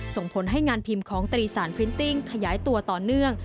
ส่งผลให้งานพิมพ์ของตรีสารพรินติ้งขยายตัวต่อเนื่อง